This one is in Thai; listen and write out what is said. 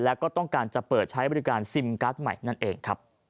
แล้วก็ต้องการจะเปิดใช้บริการซิมการ์ดใหม่นั่นเองครับ